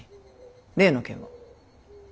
例の件は？